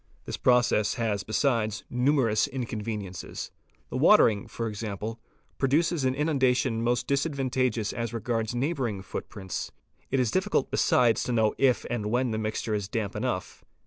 This process has besides numerous inconveniences; the watering for example, produces an inundation most disadvantageous as regards neighbouring footprints ; it is besides difficult to know if and when the mixture is damp enough.